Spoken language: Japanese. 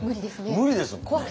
無理ですね。